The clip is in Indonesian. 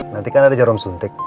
nanti kan ada jarum suntik